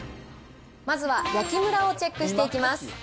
まずは焼きむらをチェックしていきます。